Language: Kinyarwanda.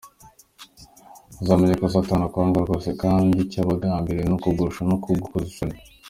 Uzamenye ko Satani akwanga rwose kandi icyo aba agambiriye ni ukukugusha no kugukoza isoni.